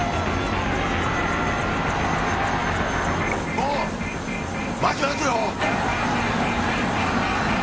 もう撒きますよ！